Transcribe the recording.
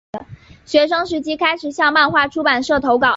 学生时期开始向漫画出版社投稿。